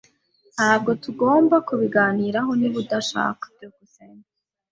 Ntabwo tugomba kubiganiraho niba udashaka. byukusenge